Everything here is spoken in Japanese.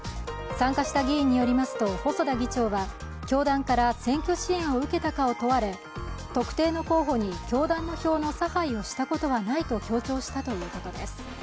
参加した議員によりますと細田議長は教団から選挙支援を受けたかを問われ特定の候補に教団の票の差配をしたことはないと強調したということです。